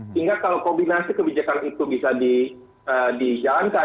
sehingga kalau kombinasi kebijakan itu bisa dijalankan